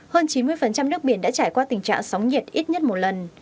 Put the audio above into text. hơn chín mươi nước biển đã trải qua tình trạng sóng nhiệt ít nhất một lần